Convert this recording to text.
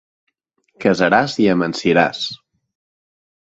Casaràs i amansiràs.